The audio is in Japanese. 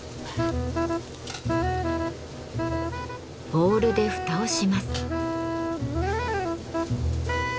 ボウルで蓋をします。